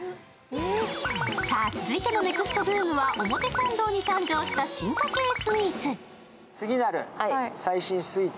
さぁ、続いてのＮＥＸＴブームは表参道に誕生した進化系スイーツ。